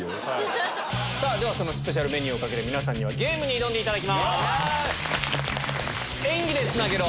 そのスペシャルメニューを懸けて皆さんにゲームに挑んでいただきます。